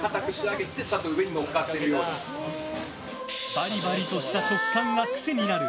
バリバリとした食感が癖になる